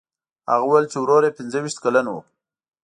هغه وویل چې ورور یې پنځه ویشت کلن و.